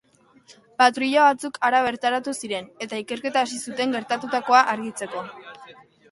Patruila batzuk hara bertaratu ziren, eta ikerketa hasi zuten gertatutakoa argitzeko.